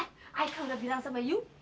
eh aika udah bilang sama yu